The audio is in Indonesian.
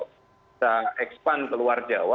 kita ekspan ke luar jawa